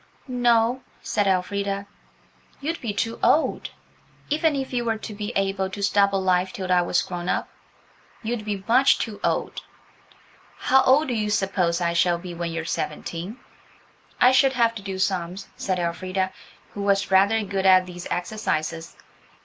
"No," said Elfrida; "you'd be too old–even if you were to be able to stop alive till I was grown up, you'd be much too old." "How old do you suppose I shall be when you're seventeen?" "I should have to do sums," said Elfrida, who was rather good at these exercises.